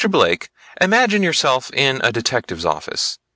Blake, imagine yourself in a detective's office.